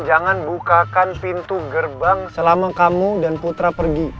jangan bukakan pintu gerbang selama kamu dan putra pergi